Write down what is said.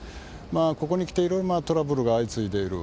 ここに来ていろいろトラブルが相次いでいる。